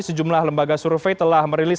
sejumlah lembaga survei telah merilis